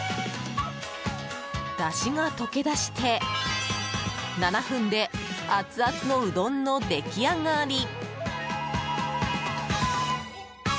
だしが溶け出して７分でアツアツのうどんの出来上がり。